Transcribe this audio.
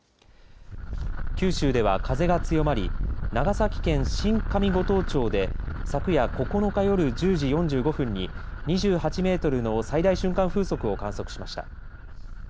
九州では風が強まり長崎県新上五島町で昨夜９日夜１０時４５分に２８メートルの最大瞬間風速を観測しました。